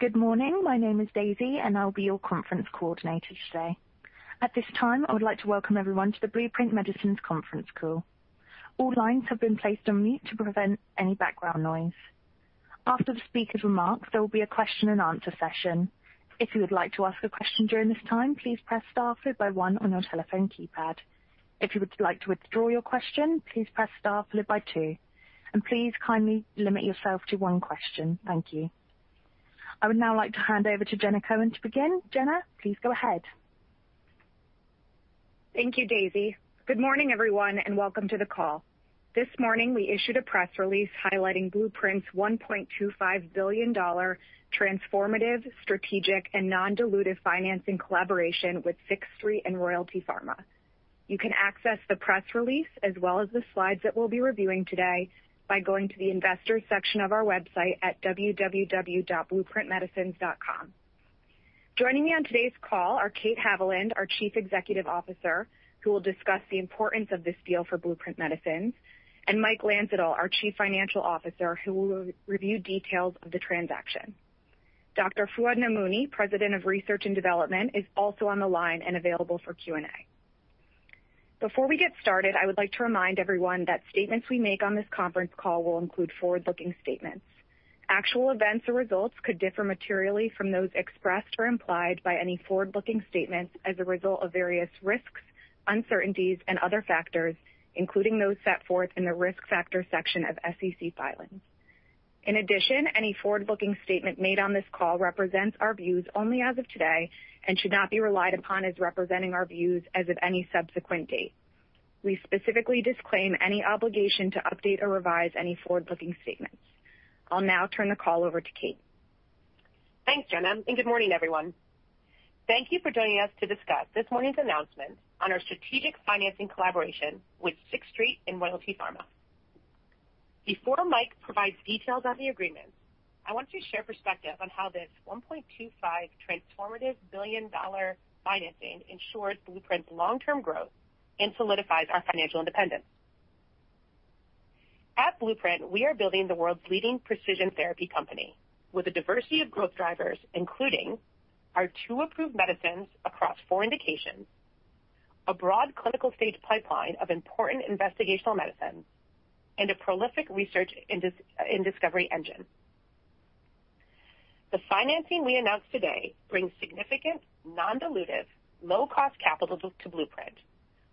Good morning. My name is Daisy, and I'll be your conference coordinator today. At this time, I would like to welcome everyone to the Blueprint Medicines conference call. All lines have been placed on mute to prevent any background noise. After the speaker's remarks, there will be a question and answer session. If you would like to ask a question during this time, please press star followed by one on your telephone keypad. If you would like to withdraw your question, please press star followed by two, and please kindly limit yourself to one question. Thank you. I would now like to hand over to Jenna Cohen to begin. Jenna, please go ahead. Thank you, Daisy. Good morning, everyone, and welcome to the call. This morning, we issued a press release highlighting Blueprint's $1.25 billion transformative, strategic, and non-dilutive financing collaboration with Sixth Street and Royalty Pharma. You can access the press release as well as the slides that we'll be reviewing today by going to the investors section of our website at www.blueprintmedicines.com. Joining me on today's call are Kate Haviland, our Chief Executive Officer, who will discuss the importance of this deal for Blueprint Medicines, and Mike Landsittel, our Chief Financial Officer, who will review details of the transaction. Dr. Fouad Namouni, President of Research and Development, is also on the line and available for Q&A. Before we get started, I would like to remind everyone that statements we make on this conference call will include forward-looking statements. Actual events or results could differ materially from those expressed or implied by any forward-looking statements as a result of various risks, uncertainties, and other factors, including those set forth in the Risk Factors section of SEC filings. In addition, any forward-looking statement made on this call represents our views only as of today and should not be relied upon as representing our views as of any subsequent date. We specifically disclaim any obligation to update or revise any forward-looking statements. I'll now turn the call over to Kate. Thanks, Jenna, and good morning, everyone. Thank you for joining us to discuss this morning's announcement on our strategic financing collaboration with Sixth Street and Royalty Pharma. Before Mike provides details on the agreements, I want to share perspective on how this $1.25 transformative billion-dollar financing ensures Blueprint's long-term growth and solidifies our financial independence. At Blueprint, we are building the world's leading precision therapy company with a diversity of growth drivers, including our two approved medicines across four indications, a broad clinical-stage pipeline of important investigational medicines, and a prolific research and discovery engine. The financing we announced today brings significant non-dilutive, low-cost capital to Blueprint,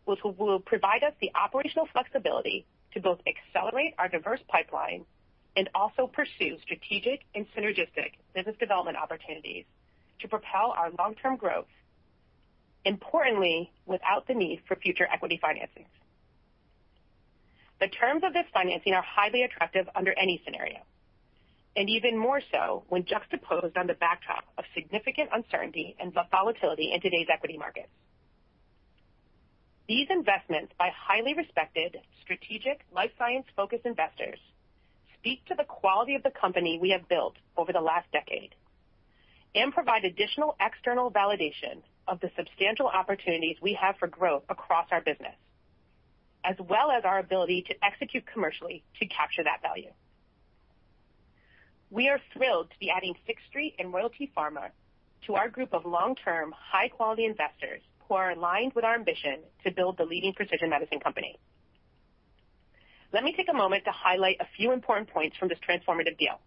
which will provide us the operational flexibility to both accelerate our diverse pipeline and also pursue strategic and synergistic business development opportunities to propel our long-term growth, importantly, without the need for future equity financings. The terms of this financing are highly attractive under any scenario, and even more so when juxtaposed on the backdrop of significant uncertainty and volatility in today's equity markets. These investments by highly respected strategic life science-focused investors speak to the quality of the company we have built over the last decade and provide additional external validation of the substantial opportunities we have for growth across our business, as well as our ability to execute commercially to capture that value. We are thrilled to be adding Sixth Street and Royalty Pharma to our group of long-term, high-quality investors who are aligned with our ambition to build the leading precision medicine company. Let me take a moment to highlight a few important points from this transformative deal.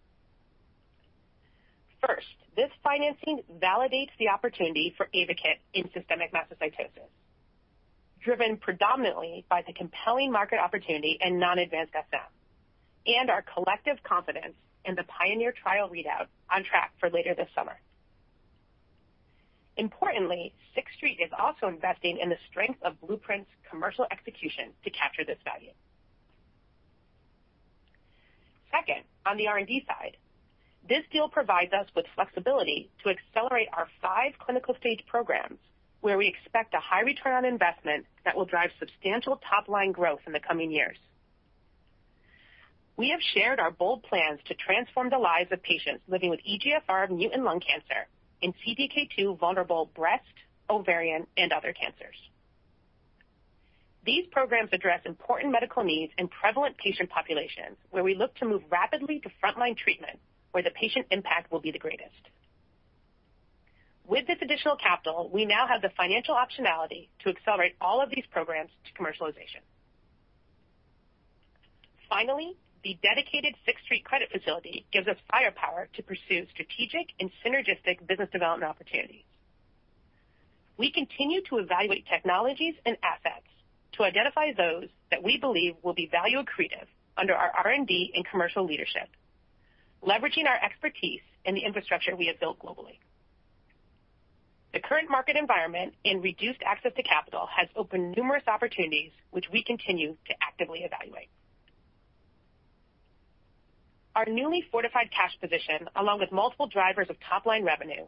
First, this financing validates the opportunity for AYVAKIT in systemic mastocytosis, driven predominantly by the compelling market opportunity in non-advanced SM and our collective confidence in the PIONEER trial readout on track for later this summer. Importantly, Sixth Street is also investing in the strength of Blueprint's commercial execution to capture this value. Second, on the R&D side, this deal provides us with flexibility to accelerate our five clinical stage programs where we expect a high return on investment that will drive substantial top-line growth in the coming years. We have shared our bold plans to transform the lives of patients living with EGFR mutant lung cancer and CDK2 vulnerable breast, ovarian, and other cancers. These programs address important medical needs in prevalent patient populations, where we look to move rapidly to frontline treatment where the patient impact will be the greatest. With this additional capital, we now have the financial optionality to accelerate all of these programs to commercialization. Finally, the dedicated Sixth Street credit facility gives us firepower to pursue strategic and synergistic business development opportunities. We continue to evaluate technologies and assets to identify those that we believe will be value accretive under our R&D and commercial leadership, leveraging our expertise in the infrastructure we have built globally. The current market environment and reduced access to capital has opened numerous opportunities, which we continue to actively evaluate. Our newly fortified cash position, along with multiple drivers of top-line revenue,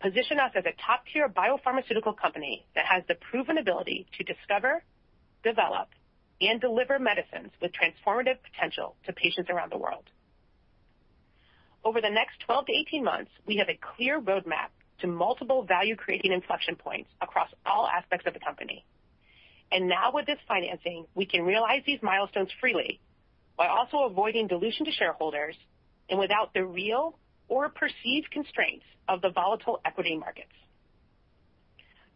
position us as a top-tier biopharmaceutical company that has the proven ability to discover, develop, and deliver medicines with transformative potential to patients around the world. Over the next 12-18 months, we have a clear roadmap to multiple value-creating inflection points across all aspects of the company. Now with this financing, we can realize these milestones freely while also avoiding dilution to shareholders and without the real or perceived constraints of the volatile equity markets.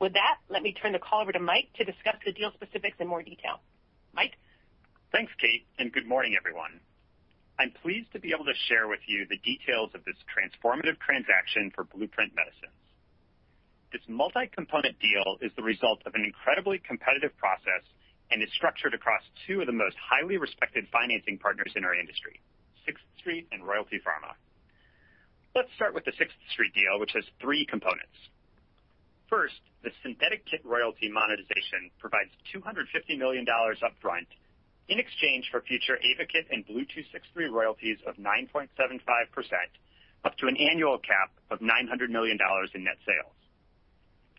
With that, let me turn the call over to Mike to discuss the deal specifics in more detail. Mike? Thanks, Kate, and good morning, everyone. I'm pleased to be able to share with you the details of this transformative transaction for Blueprint Medicines. This multi-component deal is the result of an incredibly competitive process and is structured across two of the most highly respected financing partners in our industry, Sixth Street and Royalty Pharma. Let's start with the Sixth Street deal, which has three components. First, the synthetic royalty monetization provides $250 million upfront in exchange for future AYVAKIT and BLU-263 royalties of 9.75% up to an annual cap of $900 million in net sales.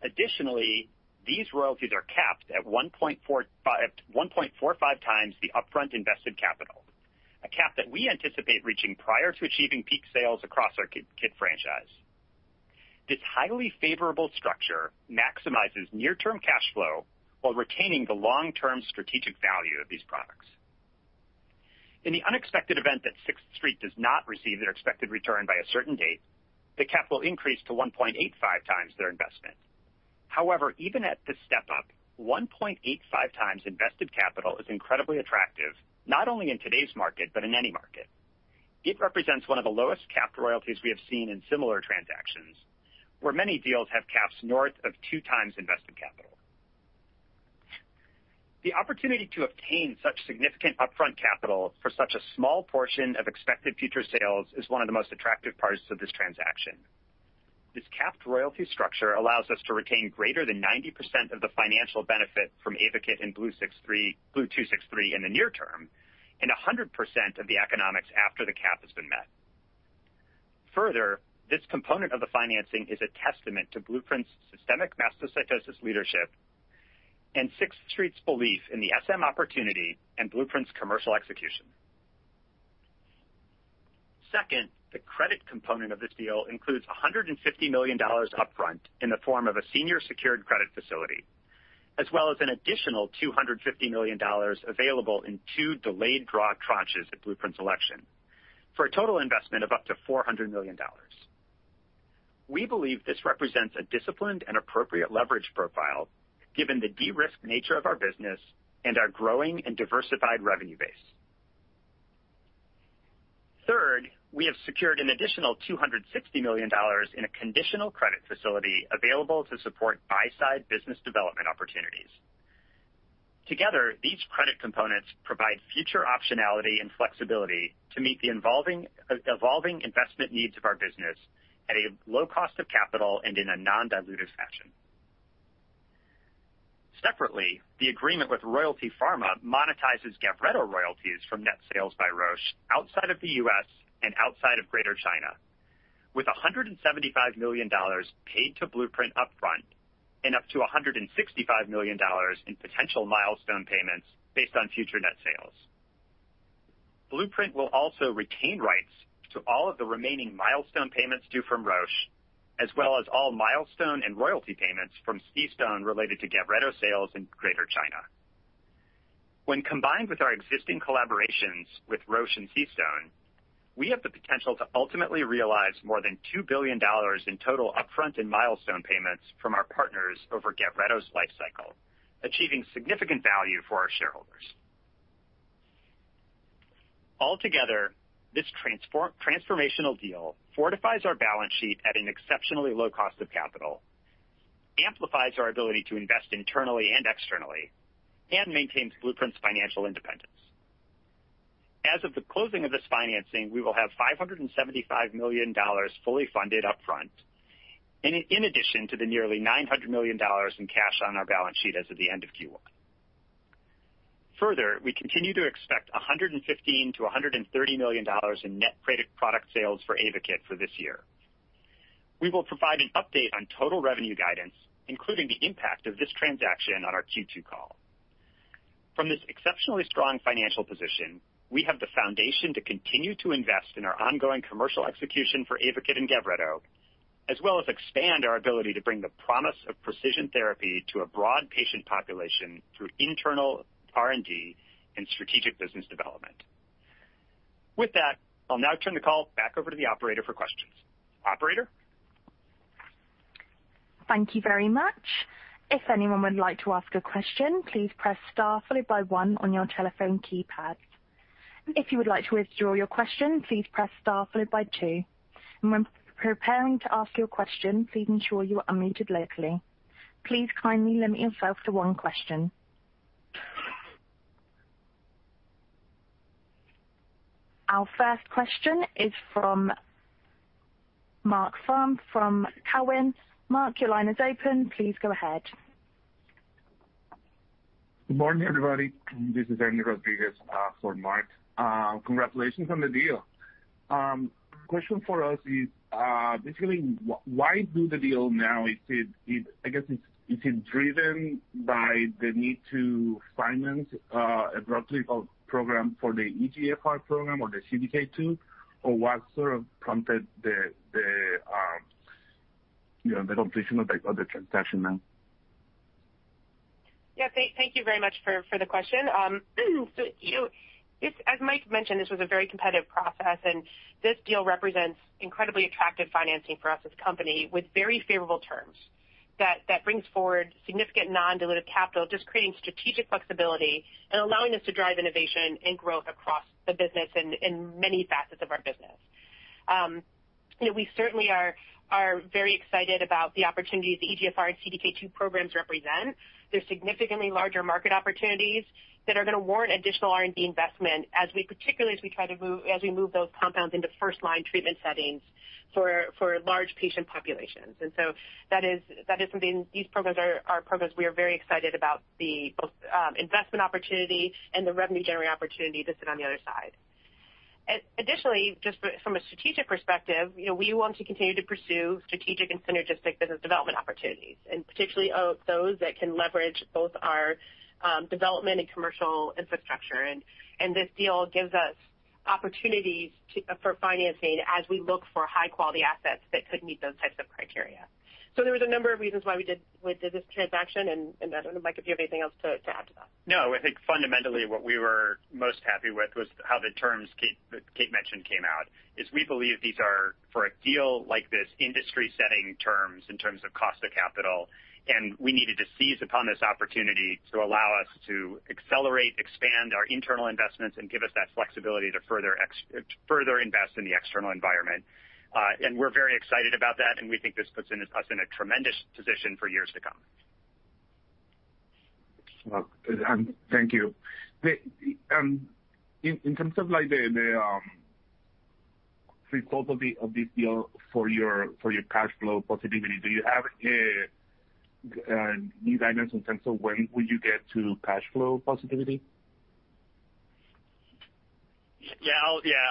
Additionally, these royalties are capped at 1.45 times the upfront invested capital, a cap that we anticipate reaching prior to achieving peak sales across our KIT franchise. This highly favorable structure maximizes near-term cash flow while retaining the long-term strategic value of these products. In the unexpected event that Sixth Street does not receive their expected return by a certain date, the cap will increase to 1.85 times their investment. However, even at this step-up, 1.85 times invested capital is incredibly attractive, not only in today's market but in any market. It represents one of the lowest capped royalties we have seen in similar transactions, where many deals have caps north of 2 times invested capital. The opportunity to obtain such significant upfront capital for such a small portion of expected future sales is one of the most attractive parts of this transaction. This capped royalty structure allows us to retain greater than 90% of the financial benefit from AYVAKIT and BLU-263 in the near term, and 100% of the economics after the cap has been met. Further, this component of the financing is a testament to Blueprint's systemic mastocytosis leadership and Sixth Street's belief in the SM opportunity and Blueprint's commercial execution. Second, the credit component of this deal includes $150 million upfront in the form of a senior secured credit facility, as well as an additional $250 million available in two delayed draw tranches at Blueprint's election, for a total investment of up to $400 million. We believe this represents a disciplined and appropriate leverage profile given the de-risked nature of our business and our growing and diversified revenue base. Third, we have secured an additional $260 million in a conditional credit facility available to support buy-side business development opportunities. Together, these credit components provide future optionality and flexibility to meet the evolving investment needs of our business at a low cost of capital and in a non-dilutive fashion. Separately, the agreement with Royalty Pharma monetizes Gavreto royalties from net sales by Roche outside of the U.S. and outside of Greater China, with $175 million paid to Blueprint Medicines upfront and up to $165 million in potential milestone payments based on future net sales. Blueprint Medicines will also retain rights to all of the remaining milestone payments due from Roche, as well as all milestone and royalty payments from CStone related to Gavreto sales in Greater China. When combined with our existing collaborations with Roche and CStone, we have the potential to ultimately realize more than $2 billion in total upfront and milestone payments from our partners over Gavreto's life cycle, achieving significant value for our shareholders. Altogether, this transformational deal fortifies our balance sheet at an exceptionally low cost of capital, amplifies our ability to invest internally and externally, and maintains Blueprint's financial independence. As of the closing of this financing, we will have $575 million fully funded upfront, in addition to the nearly $900 million in cash on our balance sheet as of the end of Q1. Further, we continue to expect $115 million-$130 million in net product sales for AYVAKIT for this year. We will provide an update on total revenue guidance, including the impact of this transaction on our Q2 call. From this exceptionally strong financial position, we have the foundation to continue to invest in our ongoing commercial execution for AYVAKIT and GAVRETO, as well as expand our ability to bring the promise of precision therapy to a broad patient population through internal R&D and strategic business development. With that, I'll now turn the call back over to the operator for questions. Operator? Thank you very much. If anyone would like to ask a question, please press star followed by one on your telephone keypad. If you would like to withdraw your question, please press star followed by two. When preparing to ask your question, please ensure you are unmuted locally. Please kindly limit yourself to one question. Our first question is from Marc Frahm from TD Cowen. Marc, your line is open. Please go ahead. Good morning, everybody. This is Andrew Rodriguez for Marc Frahm. Congratulations on the deal. Question for us is basically why do the deal now? Is it driven by the need to finance a broad program for the EGFR program or the CDK2? Or what sort of prompted the completion of the transaction now. Yeah, thank you very much for the question. You know, as Mike mentioned, this was a very competitive process, and this deal represents incredibly attractive financing for us as a company with very favorable terms that brings forward significant non-dilutive capital, just creating strategic flexibility and allowing us to drive innovation and growth across the business and in many facets of our business. You know, we certainly are very excited about the opportunities the EGFR and CDK2 programs represent. They're significantly larger market opportunities that are gonna warrant additional R&D investment particularly as we try to move those compounds into first-line treatment settings for large patient populations. That is something these programs we are very excited about both the investment opportunity and the revenue generating opportunity that sit on the other side. Additionally, just from a strategic perspective, you know, we want to continue to pursue strategic and synergistic business development opportunities, and particularly those that can leverage both our development and commercial infrastructure. This deal gives us opportunities for financing as we look for high-quality assets that could meet those types of criteria. There was a number of reasons why we did this transaction, and I don't know, Mike, if you have anything else to add to that. No, I think fundamentally what we were most happy with was how the terms Kate, that Kate mentioned came out, is we believe these are, for a deal like this, industry setting terms in terms of cost of capital. We needed to seize upon this opportunity to allow us to accelerate, expand our internal investments and give us that flexibility to further invest in the external environment. We're very excited about that, and we think this puts us in a tremendous position for years to come. Well, thank you. In terms of like the result of this deal for your cash flow positivity, do you have new guidance in terms of when will you get to cash flow positivity? Yeah,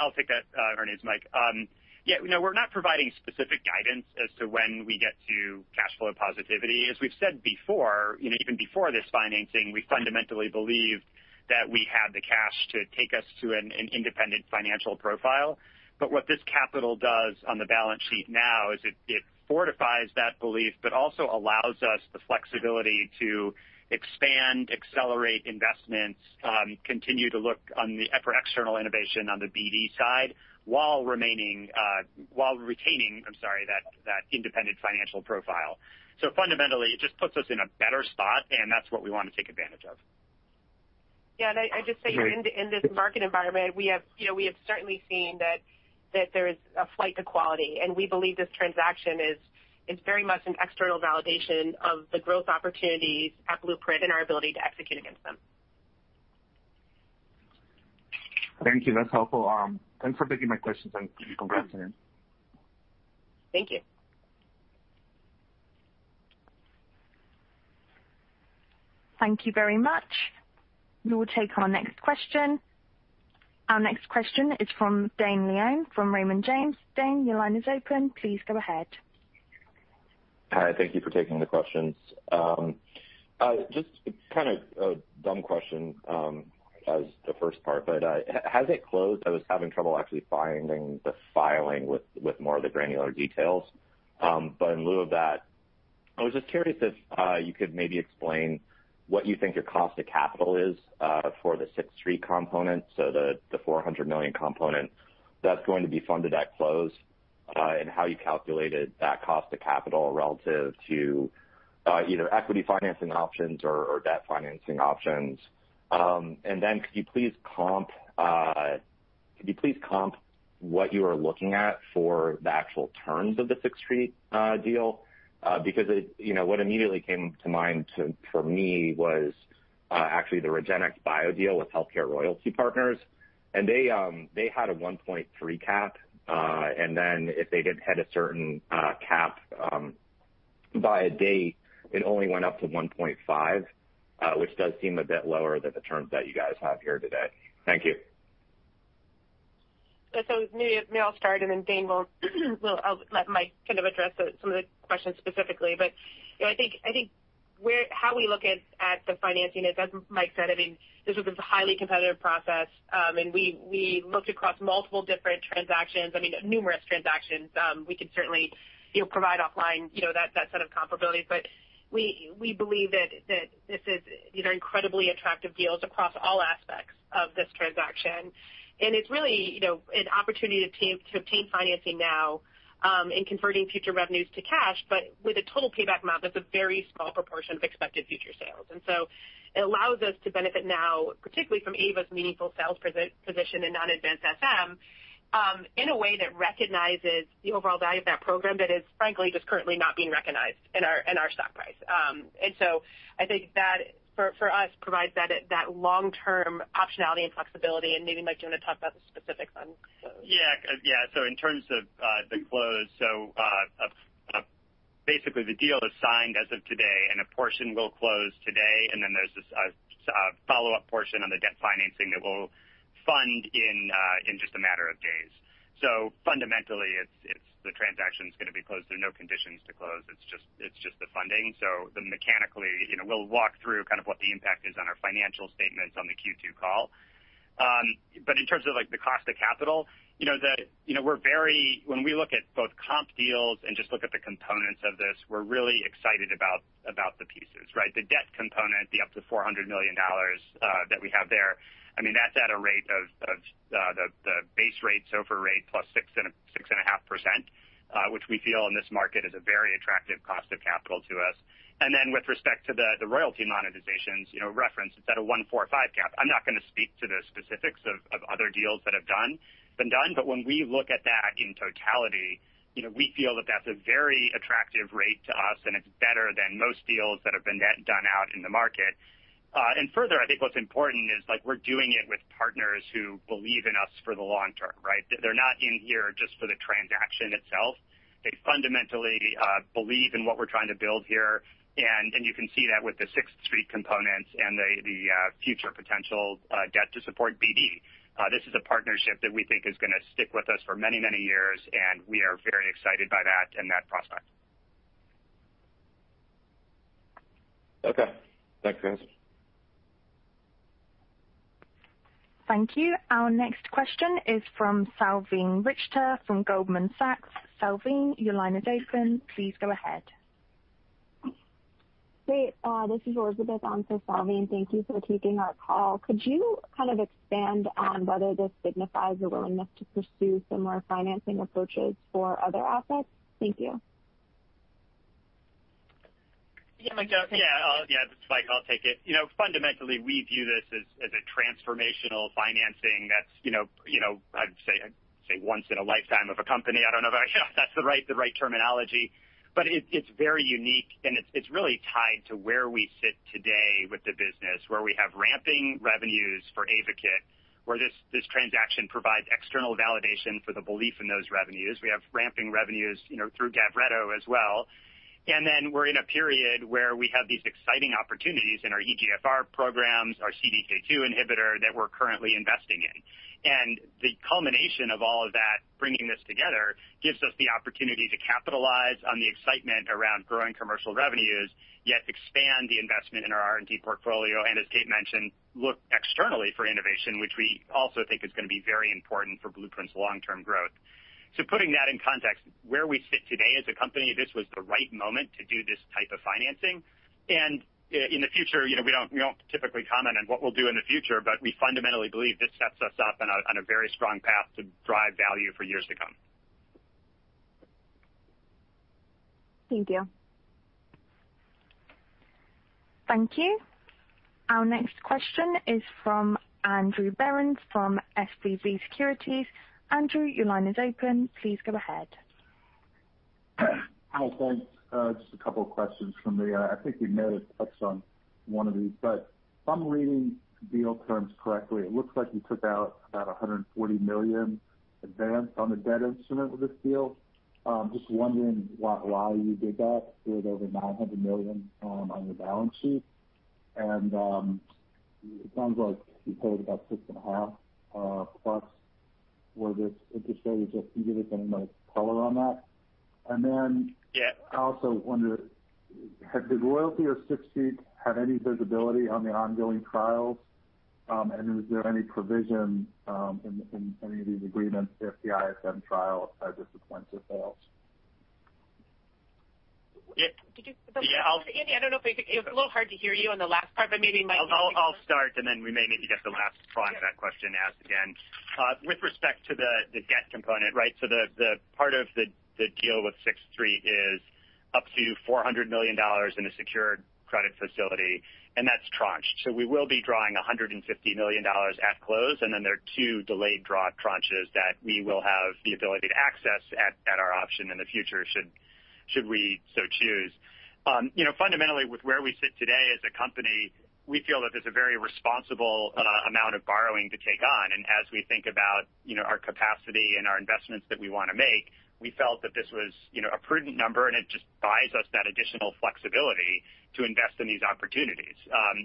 I'll take that. Andrew, it's Mike. Yeah, you know, we're not providing specific guidance as to when we get to cash flow positivity. As we've said before, you know, even before this financing, we fundamentally believe that we have the cash to take us to an independent financial profile. But what this capital does on the balance sheet now is it fortifies that belief, but also allows us the flexibility to expand, accelerate investments, continue to look for external innovation on the BD side while retaining that independent financial profile. So fundamentally, it just puts us in a better spot, and that's what we wanna take advantage of. Yeah. I just say in this market environment, we have, you know, we have certainly seen that there is a flight to quality, and we believe this transaction is very much an external validation of the growth opportunities at Blueprint and our ability to execute against them. Thank you. That's helpful. Thanks for taking my questions, and congratulations. Thank you. Thank you very much. We will take our next question. Our next question is from Dane Leone from Raymond James. Dane, your line is open. Please go ahead. Hi, thank you for taking the questions. Just kind of a dumb question, as the first part, has it closed? I was having trouble actually finding the filing with more of the granular details. In lieu of that, I was just curious if you could maybe explain what you think your cost of capital is, for the Sixth Street component, so the $400 million component that's going to be funded at close, and how you calculated that cost of capital relative to either equity financing options or debt financing options. Then could you please compare what you are looking at for the actual terms of the Sixth Street deal? Because you know, what immediately came to mind for me was actually the REGENXBIO deal with HealthCare Royalty Partners, and they had a 1.3 cap, and then if they didn't hit a certain cap by a date, it only went up to 1.5, which does seem a bit lower than the terms that you guys have here today. Thank you. Maybe I'll start, and then Dane, we'll—I'll let Mike kind of address some of the questions specifically. You know, I think how we look at the financing is, as Mike said, I mean, this was a highly competitive process. And we looked across multiple different transactions, I mean, numerous transactions. We could certainly, you know, provide offline, you know, that set of comparabilities. We believe that this is, you know, incredibly attractive deals across all aspects of this transaction. It's really, you know, an opportunity to obtain financing now in converting future revenues to cash, but with a total payback amount that's a very small proportion of expected future sales. It allows us to benefit now, particularly from AYVAKIT's meaningful sales position in non-advanced SM, in a way that recognizes the overall value of that program that is frankly just currently not being recognized in our stock price. I think that for us provides that long-term optionality and flexibility. Maybe, Mike, do you wanna talk about the specifics on the close? In terms of the close, basically the deal is signed as of today, and a portion will close today, and then there's this follow-up portion on the debt financing that we'll fund in just a matter of days. Fundamentally, the transaction's gonna be closed. There are no conditions to close. It's just the funding. Mechanically, you know, we'll walk through kind of what the impact is on our financial statements on the Q2 call. In terms of, like, the cost of capital, you know, when we look at both comp deals and just look at the components of this, we're really excited about the pieces, right? The debt component, the up to $400 million, I mean, that's at a rate of the base rate, SOFR rate, plus 6.5%, which we feel in this market is a very attractive cost of capital to us. With respect to the royalty monetizations, you know, referencing it's at a 145 cap. I'm not gonna speak to the specifics of other deals that have been done, but when we look at that in totality, you know, we feel that that's a very attractive rate to us, and it's better than most deals that have been done out in the market. Further, I think what's important is, like, we're doing it with partners who believe in us for the long term, right? They're not in here just for the transaction itself. They fundamentally believe in what we're trying to build here, and you can see that with the Sixth Street components and the future potential debt to support BD. This is a partnership that we think is gonna stick with us for many years, and we are very excited by that and that prospect. Okay. Thanks, guys. Thank you. Our next question is from Salveen Richter from Goldman Sachs. Salveen, your line is open. Please go ahead. Great. This is Elizabeth on for Salveen. Thank you for taking our call. Could you kind of expand on whether this signifies a willingness to pursue similar financing approaches for other assets? Thank you. Yeah, this is Mike. I'll take it. You know, fundamentally, we view this as a transformational financing that's, you know, I'd say once in a lifetime of a company. I don't know if that's the right terminology. It is very unique, and it's really tied to where we sit today with the business, where we have ramping revenues for AYVAKIT, where this transaction provides external validation for the belief in those revenues. We have ramping revenues, you know, through GAVRETO as well. We're in a period where we have these exciting opportunities in our EGFR programs, our CDK2 inhibitor that we're currently investing in. The culmination of all of that, bringing this together, gives us the opportunity to capitalize on the excitement around growing commercial revenues, yet expand the investment in our R&D portfolio, and as Kate mentioned, look externally for innovation, which we also think is gonna be very important for Blueprint's long-term growth. Putting that in context, where we sit today as a company, this was the right moment to do this type of financing. In the future, you know, we don't typically comment on what we'll do in the future, but we fundamentally believe this sets us up on a very strong path to drive value for years to come. Thank you. Thank you. Our next question is from Andrew Berens from SVB Securities. Andrew, your line is open. Please go ahead. Hi. Thanks. Just a couple of questions from me. I think you may have touched on one of these, but if I'm reading deal terms correctly, it looks like you took out about $140 million advance on the debt instrument with this deal. Just wondering why you did that with over $900 million on your balance sheet. It sounds like you paid about 6.5%+ for this interest rate. Could you give us any, like, color on that? Then- Yeah. I also wonder, has the royalty of Sixth Street had any visibility on the ongoing trials, and is there any provision in any of these agreements if the ISM trial had disappointed sales? Yeah. Did you- Yeah. Andrew, I don't know if it was a little hard to hear you on the last part, but maybe Mike can. I'll start, and then we may need to get the last part of that question asked again. With respect to the debt component, right? The part of the deal with Sixth Street is up to $400 million in a secured credit facility, and that's tranched. We will be drawing $150 million at close, and then there are two delayed draw tranches that we will have the ability to access at our option in the future should we so choose. You know, fundamentally, with where we sit today as a company, we feel that there's a very responsible amount of borrowing to take on. As we think about, you know, our capacity and our investments that we wanna make, we felt that this was, you know, a prudent number, and it just buys us that additional flexibility to invest in these opportunities.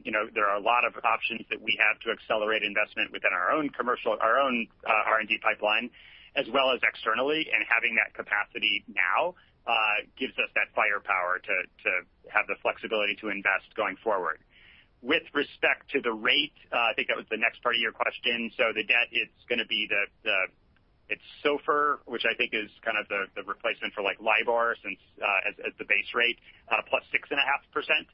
You know, there are a lot of options that we have to accelerate investment within our own commercial, our own R&D pipeline as well as externally, and having that capacity now gives us that firepower to have the flexibility to invest going forward. With respect to the rate, I think that was the next part of your question. The debt, it's gonna be SOFR, which I think is kind of the replacement for, like, LIBOR since as the base rate plus 6.5%.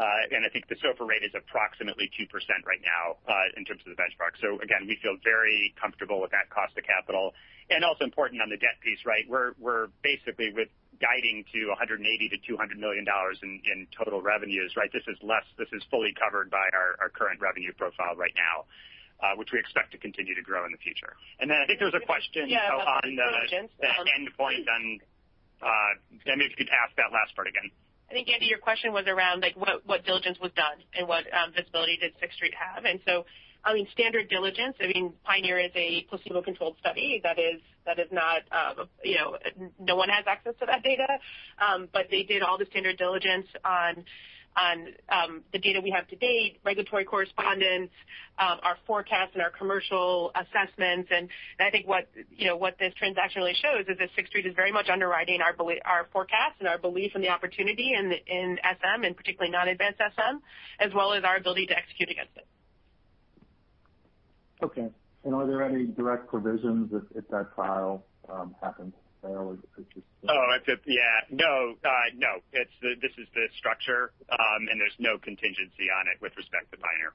I think the SOFR rate is approximately 2% right now, in terms of the benchmark. Again, we feel very comfortable with that cost of capital. Also important on the debt piece, right? We're basically guiding to $180 million-$200 million in total revenues, right? This is less. This is fully covered by our current revenue profile right now, which we expect to continue to grow in the future. I think there was a question- Yeah. On the endpoint and maybe if you could ask that last part again. I think, Andy, your question was around, like, what diligence was done and what visibility did Sixth Street have. I mean, standard diligence, I mean, PIONEER is a placebo-controlled study. That is not, you know, no one has access to that data. But they did all the standard diligence on the data we have to date, regulatory correspondence, our forecast and our commercial assessments. I think what, you know, what this transaction really shows is that Sixth Street is very much underwriting our forecast and our belief in the opportunity in SM and particularly non-advanced SM, as well as our ability to execute against it. Okay. Are there any direct provisions if that trial happens to fail or if it's just? No. This is the structure, and there's no contingency on it with respect to PIONEER.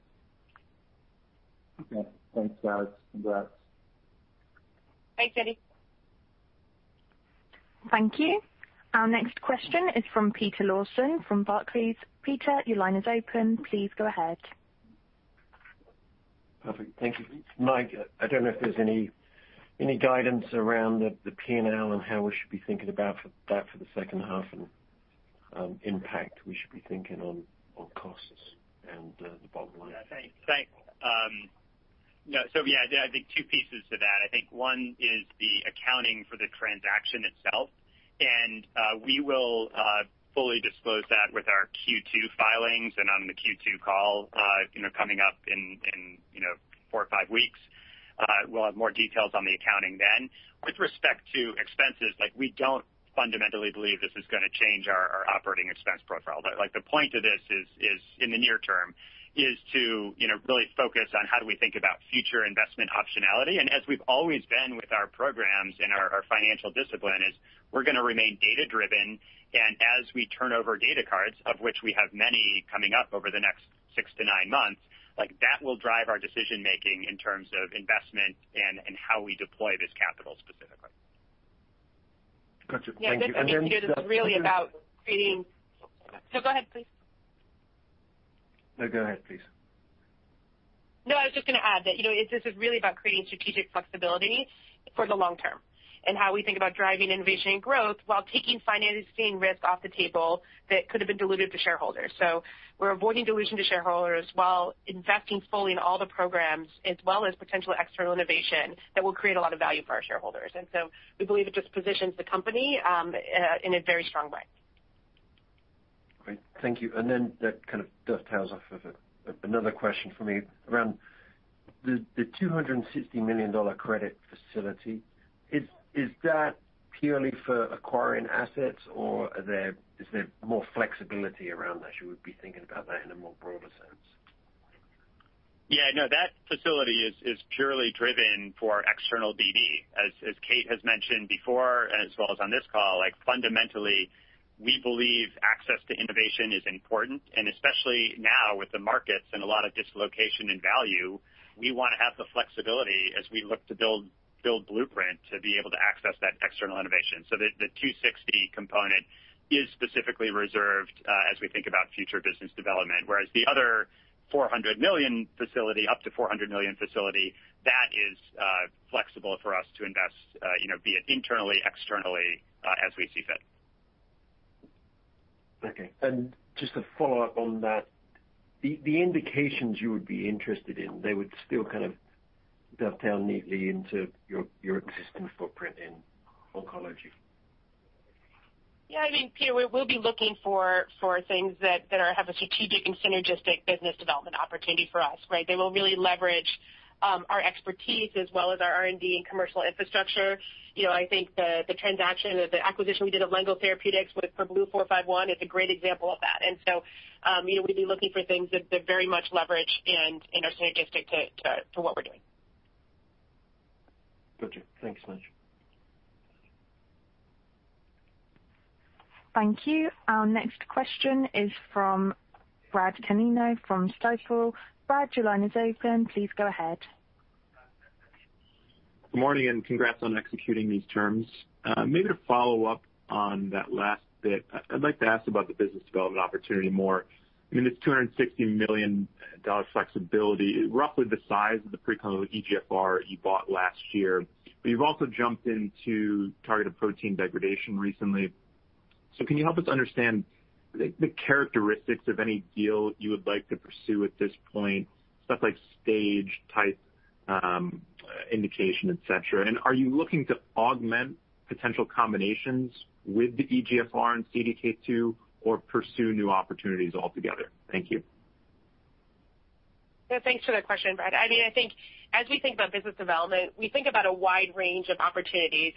Okay. Thanks, guys. Congrats. Thanks, Andrew. Thank you. Our next question is from Peter Lawson from Barclays. Peter, your line is open. Please go ahead. Perfect. Thank you. Mike, I don't know if there's any guidance around the P&L and how we should be thinking about that for the second half and impact we should be thinking on costs and the bottom line. Yeah. Thanks. No. Yeah, I think two pieces to that. I think one is the accounting for the transaction itself. We will fully disclose that with our Q2 filings and on the Q2 call, you know, coming up in you know four or five weeks. We'll have more details on the accounting then. With respect to expenses, like, we don't fundamentally believe this is gonna change our operating expense profile. Like, the point of this is in the near term to, you know, really focus on how do we think about future investment optionality. As we've always been with our programs and our financial discipline is we're gonna remain data-driven. As we turn over data cards, of which we have many coming up over the next 6-9 months, like, that will drive our decision-making in terms of investment and how we deploy this capital specifically. Gotcha. Thank you. Then, Yeah. No, go ahead, please. No, go ahead please. No, I was just gonna add that, you know, this is really about creating strategic flexibility for the long term and how we think about driving innovation and growth while taking financial risk off the table that could have been diluted to shareholders. We're avoiding dilution to shareholders while investing fully in all the programs, as well as potential external innovation that will create a lot of value for our shareholders. We believe it just positions the company in a very strong way. Great. Thank you. That kind of dovetails off of another question for me around the $260 million credit facility. Is that purely for acquiring assets or is there more flexibility around that you would be thinking about that in a more broader sense? Yeah, no, that facility is purely driven for external BD. As Kate has mentioned before, as well as on this call, like, fundamentally, we believe access to innovation is important. Especially now with the markets and a lot of dislocation in value, we wanna have the flexibility as we look to build Blueprint to be able to access that external innovation. The $260 million component is specifically reserved, as we think about future business development. Whereas the other $400 million facility, up to $400 million facility, that is flexible for us to invest, you know, be it internally, externally, as we see fit. Okay. Just to follow up on that, the indications you would be interested in, they would still kind of dovetail neatly into your existing footprint in oncology. Yeah. I mean, Peter, we'll be looking for things that have a strategic and synergistic business development opportunity for us, right? They will really leverage our expertise as well as our R&D and commercial infrastructure. You know, I think the transaction, the acquisition we did of Lengo Therapeutics for BLU-451 is a great example of that. We'd be looking for things that very much leverage and are synergistic to what we're doing. Gotcha. Thanks, Mike. Thank you. Our next question is from Brad Canino from Stifel. Brad, your line is open. Please go ahead. Good morning and congrats on executing these terms. Maybe to follow up on that last bit, I'd like to ask about the business development opportunity more. I mean, this $260 million flexibility is roughly the size of the preclinical EGFR you bought last year. You've also jumped into targeted protein degradation recently. Can you help us understand the characteristics of any deal you would like to pursue at this point, stuff like stage type, indication, et cetera? Are you looking to augment potential combinations with the EGFR and CDK2 or pursue new opportunities altogether? Thank you. Yeah. Thanks for that question, Brad. I mean, I think as we think about business development, we think about a wide range of opportunities.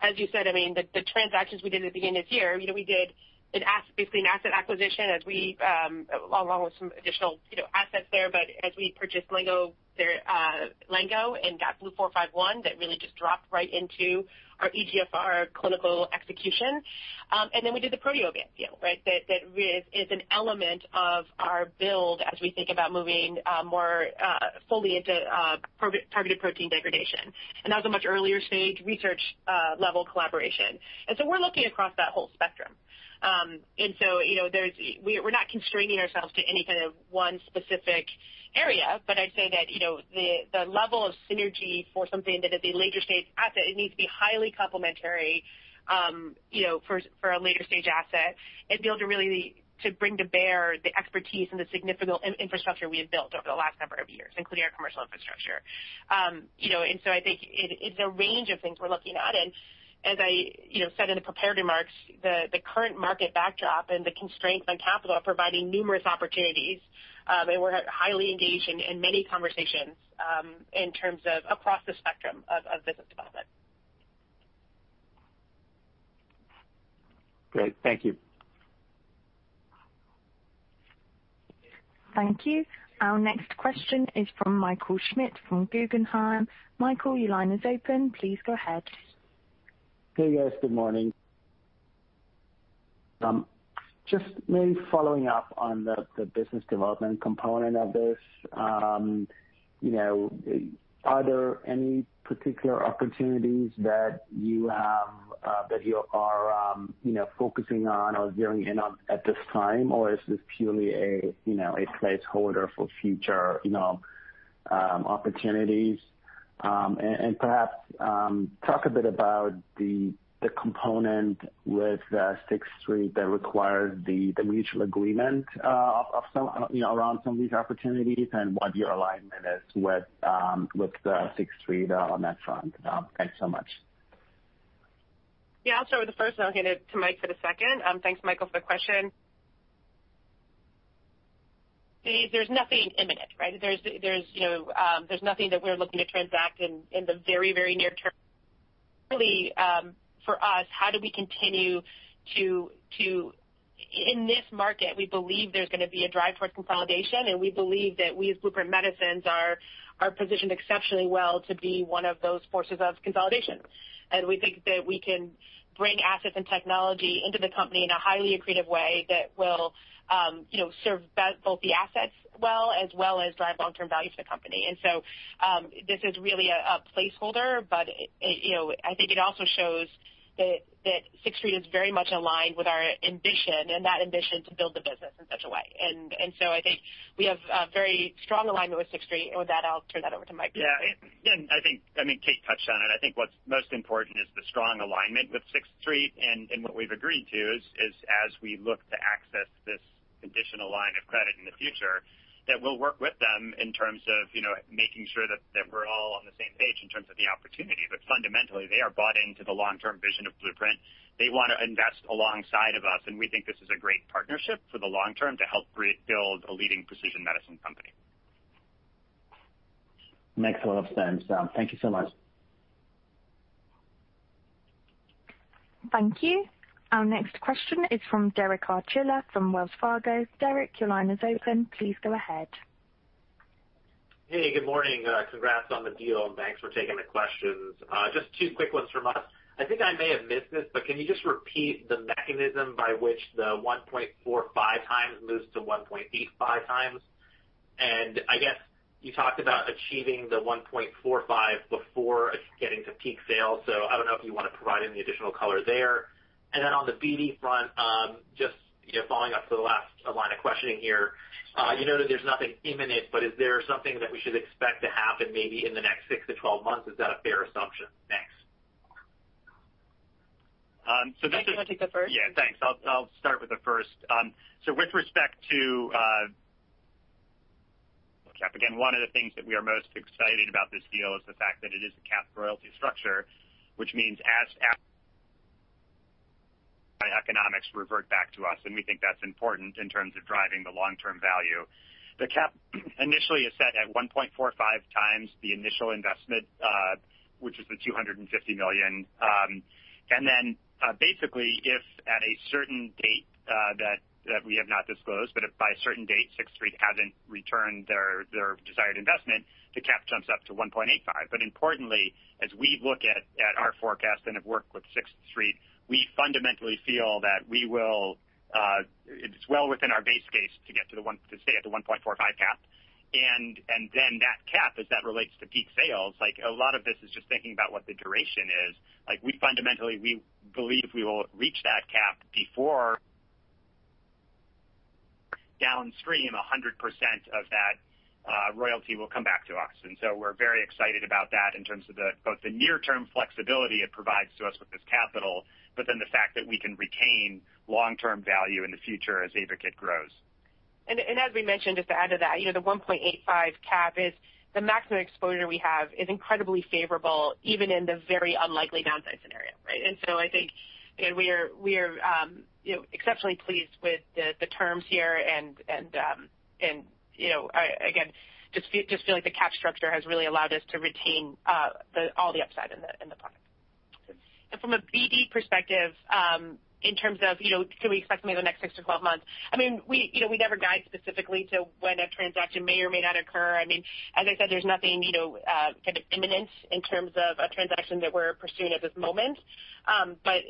As you said, I mean, the transactions we did at the beginning of this year, you know, we did basically an asset acquisition, along with some additional, you know, assets there. As we purchased Lengo and got BLU-451, that really just dropped right into our EGFR clinical execution. And then we did the Proteovant deal, right? That really is an element of our build as we think about moving more fully into targeted protein degradation. That was a much earlier stage research level collaboration. We're looking across that whole spectrum. you know, we're not constraining ourselves to any kind of one specific area, but I'd say that, you know, the level of synergy for something that is a later stage asset, it needs to be highly complementary, you know, for a later stage asset and be able to really to bring to bear the expertise and the significant infrastructure we have built over the last number of years, including our commercial infrastructure. you know, I think it's a range of things we're looking at. As I you know said in the prepared remarks, the current market backdrop and the constraints on capital are providing numerous opportunities, and we're highly engaged in many conversations in terms of across the spectrum of business development. Great. Thank you. Thank you. Our next question is from Michael Schmidt from Guggenheim. Michael, your line is open. Please go ahead. Hey, guys. Good morning. Just maybe following up on the business development component of this. You know, are there any particular opportunities that you have, that you are, you know, focusing on or zeroing in on at this time? Or is this purely a, you know, a placeholder for future, you know, opportunities? And perhaps, talk a bit about the component with Sixth Street that requires the mutual agreement of some, you know, around some of these opportunities and what your alignment is with with Sixth Street on that front. Thanks so much. Yeah, I'll start with the first and I'll hand it to Mike for the second. Thanks Michael for the question. There's nothing imminent, right? There's nothing that we're looking to transact in the very near term. Really, for us, how do we continue to In this market, we believe there's gonna be a drive towards consolidation, and we believe that we as Blueprint Medicines are positioned exceptionally well to be one of those forces of consolidation. We think that we can bring assets and technology into the company in a highly accretive way that will serve both the assets well as well as drive long-term value to the company. This is really a placeholder, but it, you know, I think it also shows that Sixth Street is very much aligned with our ambition and that ambition to build the business in such a way. I think we have a very strong alignment with Sixth Street. With that, I'll turn that over to Mike. Yeah. Again, I think, I mean, Kate touched on it. I think what's most important is the strong alignment with Sixth Street. What we've agreed to is as we look to access this conditional line of credit in the future, that we'll work with them in terms of, you know, making sure that we're all on the same page in terms of the opportunity. Fundamentally, they are bought into the long-term vision of Blueprint. They wanna invest alongside of us, and we think this is a great partnership for the long term to help build a leading precision medicine company. Makes a lot of sense. Thank you so much. Thank you. Our next question is from Derek Archila from Wells Fargo. Derek, your line is open. Please go ahead. Hey, good morning. Congrats on the deal, and thanks for taking the questions. Just two quick ones from us. I think I may have missed this, but can you just repeat the mechanism by which the 1.45 times moves to 1.85 times? I guess you talked about achieving the 1.45 before getting to peak sales, so I don't know if you wanna provide any additional color there. On the BD front, just, you know, following up to the last line of questioning here, you know that there's nothing imminent, but is there something that we should expect to happen maybe in the next six to 12 months? Is that a fair assumption? Thanks. So the- Mike, do you wanna take that first? I'll start with the first. With respect to again, one of the things that we are most excited about this deal is the fact that it is a capped royalty structure, which means as economics revert back to us, and we think that's important in terms of driving the long-term value. The cap initially is set at 1.45x the initial investment, which is the $250 million. And then, basically, if at a certain date that we have not disclosed, but if by a certain date Sixth Street hasn't returned their desired investment, the cap jumps up to 1.85x. Importantly, as we look at our forecast and have worked with Sixth Street, we fundamentally feel that we will. It's well within our base case to stay at the 1.45 cap. Then that cap, as that relates to peak sales, like a lot of this is just thinking about what the duration is. Like, we fundamentally, we believe we will reach that cap before downstream, 100% of that royalty will come back to us. We're very excited about that in terms of the, both the near-term flexibility it provides to us with this capital, but then the fact that we can retain long-term value in the future as AYVAKIT grows. As we mentioned, just to add to that, you know, the $1.85 cap is the maximum exposure we have is incredibly favorable, even in the very unlikely downside scenario, right? I think, again, we are, you know, exceptionally pleased with the terms here and, you know, again, just feel like the cap structure has really allowed us to retain all the upside in the product. From a BD perspective, in terms of, you know, can we expect maybe in the next 6 to 12 months? I mean, we, you know, we never guide specifically to when a transaction may or may not occur. I mean, as I said, there's nothing, you know, kind of imminent in terms of a transaction that we're pursuing at this moment.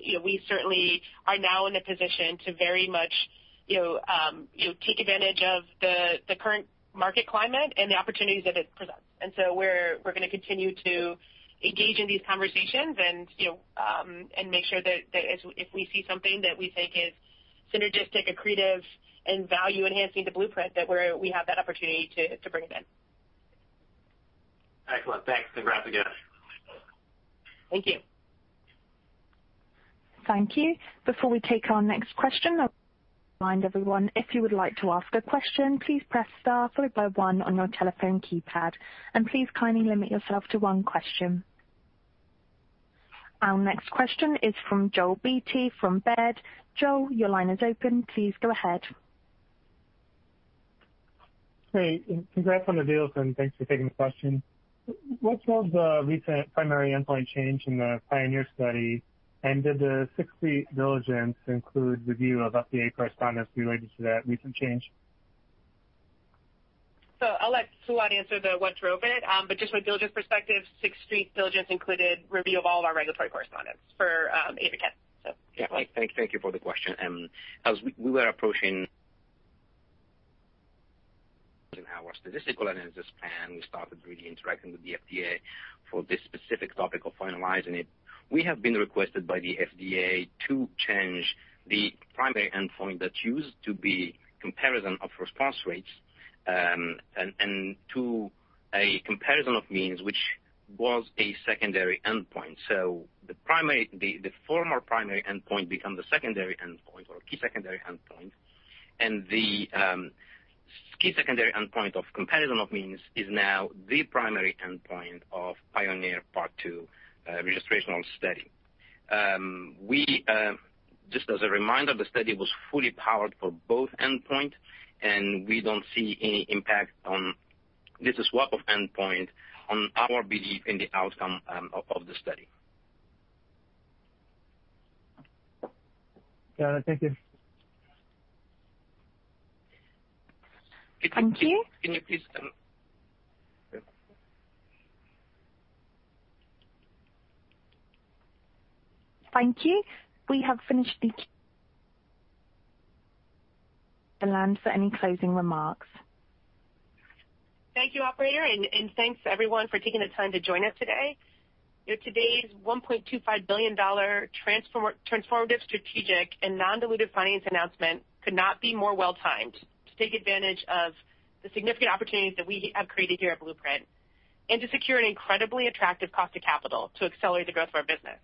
you know, we certainly are now in a position to very much, you know, take advantage of the current market climate and the opportunities that it presents. We're gonna continue to engage in these conversations and, you know, and make sure that if we see something that we think is synergistic, accretive, and value-enhancing to Blueprint, that we have that opportunity to bring it in. Excellent. Thanks, and congrats again. Thank you. Thank you. Before we take our next question, I'll remind everyone, if you would like to ask a question, please press star followed by one on your telephone keypad. Please kindly limit yourself to one question. Our next question is from Joel Beatty from Baird. Joel, your line is open. Please go ahead. Hey, congrats on the deals and thanks for taking the question. What's the recent primary endpoint change in the PIONEER study? Did the Sixth Street diligence include review of FDA correspondence related to that recent change? I'll let Fouad answer what drove it. Just from a diligence perspective, Sixth Street diligence included review of all our regulatory correspondence for AYVAKIT. Yeah. Thank you for the question. As we were approaching in our statistical analysis plan, we started really interacting with the FDA for this specific topic of finalizing it. We have been requested by the FDA to change the primary endpoint that used to be comparison of response rates, and to a comparison of means, which was a secondary endpoint. The former primary endpoint become the secondary endpoint or a key secondary endpoint. The key secondary endpoint of comparison of means is now the primary endpoint of PIONEER Part 2, registrational study. Just as a reminder, the study was fully powered for both endpoint, and we don't see any impact on this swap of endpoint on our belief in the outcome of the study. Got it. Thank you. Thank you. Can you please? Thank you. We have finished. Milan, for any closing remarks. Thank you, operator. Thanks everyone for taking the time to join us today. You know, today's $1.25 billion transformative strategic and non-dilutive financing announcement could not be more well-timed to take advantage of the significant opportunities that we have created here at Blueprint and to secure an incredibly attractive cost of capital to accelerate the growth of our business.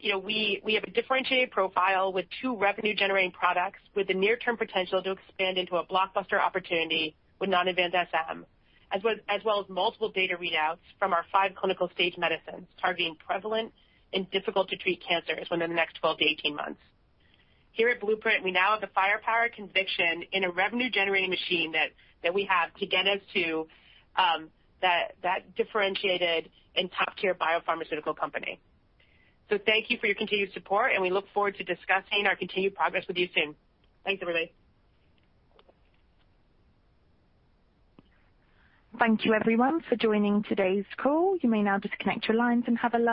You know, we have a differentiated profile with two revenue-generating products with the near-term potential to expand into a blockbuster opportunity with non-advanced SM, as well as multiple data readouts from our five clinical stage medicines targeting prevalent and difficult to treat cancers within the next 12-18 months. Here at Blueprint, we now have the firepower and conviction in a revenue-generating machine that we have to get us to that differentiated and top-tier biopharmaceutical company. Thank you for your continued support, and we look forward to discussing our continued progress with you soon. Thanks, everybody. Thank you, everyone, for joining today's call. You may now disconnect your lines and have a lovely.